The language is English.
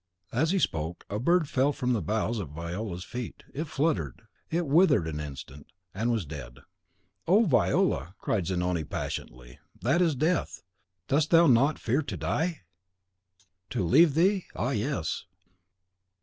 As he spoke, a bird fell from the boughs at Viola's feet; it fluttered, it writhed an instant, and was dead. "Oh, Viola!" cried Zanoni, passionately, "that is death. Dost thou not fear to die?" "To leave thee? Ah, yes!"